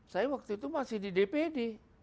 saya waktu itu masih di dpd